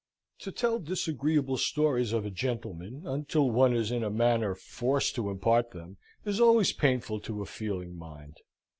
To tell disagreeable stories of a gentleman, until one is in a manner forced to impart them, is always painful to a feeling mind.